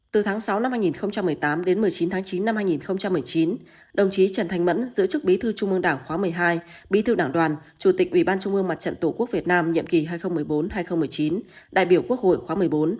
từ tháng sáu năm hai nghìn một mươi tám đến một mươi chín tháng chín năm hai nghìn một mươi chín đồng chí trần thanh mẫn giữ chức bí thư trung ương đảng khóa một mươi hai bí thư đảng đoàn chủ tịch ủy ban trung ương mặt trận tổ quốc việt nam nhiệm kỳ hai nghìn một mươi bốn hai nghìn một mươi chín đại biểu quốc hội khóa một mươi bốn